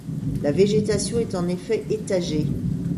La végétation est en effet étagée.